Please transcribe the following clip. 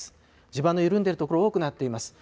地盤の緩んで所多くなっています。